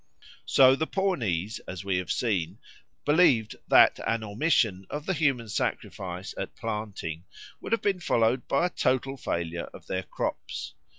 So the Pawnees, as we have seen, believed that an omission of the human sacrifice at planting would have been followed by a total failure of their crops.